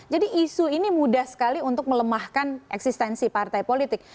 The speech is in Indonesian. jadi isu ini mudah sekali untuk melemahkan eksistensi partai politik